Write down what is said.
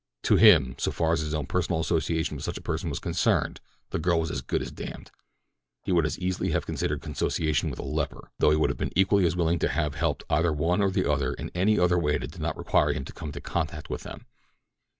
To him, so far as his own personal association with such a person was concerned, the girl was as good as damned. He would as easily have considered consociation with a leper, though he would have been equally as willing to have helped either one or the other in any other way that did not require him to come into contact with them.